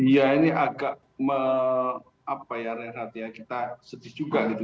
ya ini agak apa ya kita sedih juga gitu